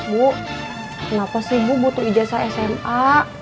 bu kenapa sih bu butuh ijazah sma